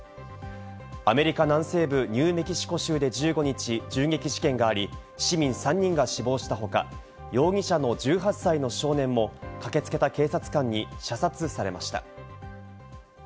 アメリカ南西部ニューメキシコ州で１５日、銃撃事件があり、市民３人が死亡したほか、容疑者の１８歳の少年も駆けつけた警察官に射殺されました。